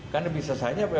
karena bisa saja